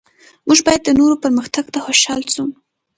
موږ باید د نورو پرمختګ ته خوشحال شو.